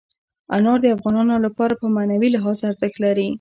انار د افغانانو لپاره په معنوي لحاظ ارزښت لري.